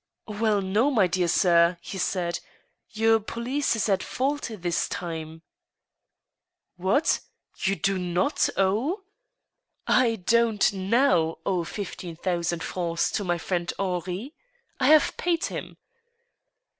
" Well, no, my dear sir," he said ; "your police is at fault this time." " What ! you do not owe—? "" I don't now owe fifteen thousand francs to my friend Henri. I have paid him."